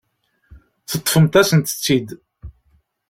Teṭṭfemt-asent-tt-id.